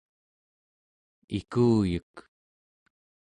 ikuyek